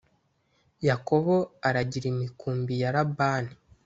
yakobo aragira imikumbi ya labani